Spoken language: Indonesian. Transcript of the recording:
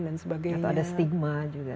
dan sebagainya atau ada stigma juga